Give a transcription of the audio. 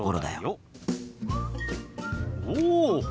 おお！